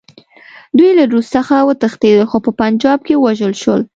دوی له روس څخه وتښتېدل، خو په پنجاب کې ووژل شول.